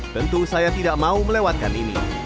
tentu saya tidak mau melewatkan ini